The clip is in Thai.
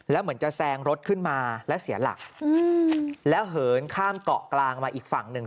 แล้วเหมือนจะแซงรถขึ้นมาแล้วเสียหลักแล้วเหินข้ามเกาะกลางมาอีกฝั่งหนึ่ง